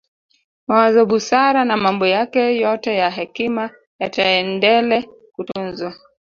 Mawazo busara na mambo yake yote ya hekima yataendele kutunzwa